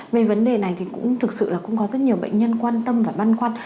về vấn đề này thì cũng thực sự là cũng có rất nhiều bệnh nhân quan tâm và băn khoăn